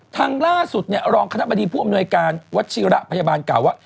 ทางล่าสุดรองคณะบดีผู้อำนวยการวัชิระพยาบาลกล่าวว่า